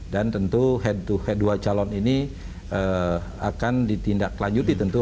dan tentu head to head dua calon ini akan ditindaklanjuti tentu